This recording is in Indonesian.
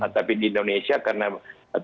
tapi di indonesia karena terlalu banyak